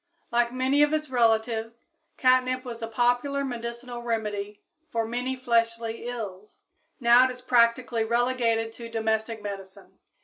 Like many of its relatives, catnip was a popular medicinal remedy for many fleshly ills; now it is practically relegated to domestic medicine.